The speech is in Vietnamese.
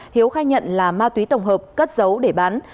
hiếu khai nhận là ma túy tổng hợp cất giấu để bán